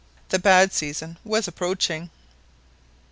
The bad season was approaching.